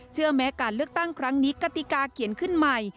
แม้การเลือกตั้งครั้งนี้กติกาเขียนขึ้นใหม่